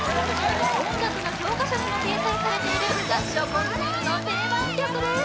音楽の教科書にも掲載されている合唱コンクールの定番曲です